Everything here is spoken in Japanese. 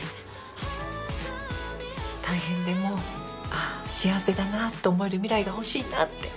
大変でもああ幸せだなって思える未来が欲しいなって